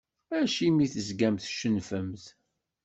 Acimi tezgamt tcennfemt?